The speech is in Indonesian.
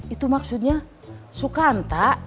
itu maksudnya sukanta